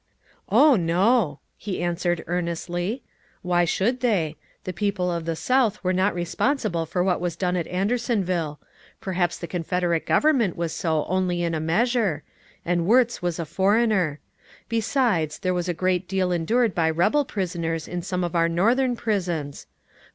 "Oh, no!" he answered, earnestly, "why should they? The people of the South were not responsible for what was done at Andersonville; perhaps the Confederate government was so only in a measure; and Wirtz was a foreigner. Besides, there was a great deal endured by rebel prisoners in some of our Northern prisons.